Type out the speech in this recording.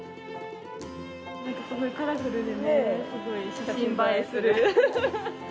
なんかすごいカラフルでね、すごい写真映えする。